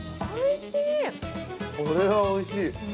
◆これはおいしい。